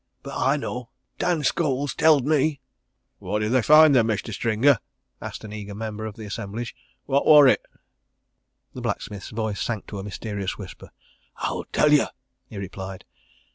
But I know Dan Scholes tell'd me!" "What did they find, then, Mestur Stringer?" asked an eager member of the assemblage. "What wor it?" The blacksmith's voice sank to a mysterious whisper. "I'll tell yer!" he replied.